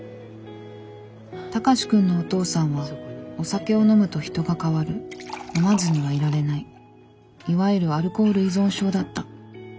高志くんのお父さんはお酒を飲むと人が変わる飲まずにはいられないいわゆるアルコール依存症だった。